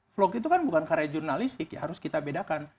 vlog itu kan bukan karya jurnalistik ya harus kita bedakan